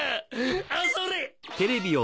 あそれ！